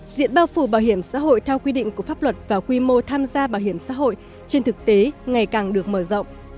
diện bao phủ bảo hiểm xã hội theo quy định của pháp luật và quy mô tham gia bảo hiểm xã hội trên thực tế ngày càng được mở rộng